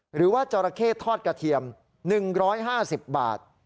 หรือว่าจราเข้ทอดกระเทียม๑๕๐บาท